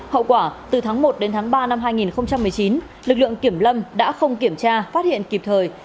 hậu quả từ tháng một đến tháng ba năm hai nghìn một mươi chín lực lượng kiểm lâm đã không kiểm tra phát hiện kịp thời